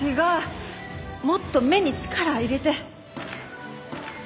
もっと目に力入れて。